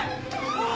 おい！